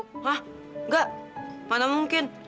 hah enggak mana mungkin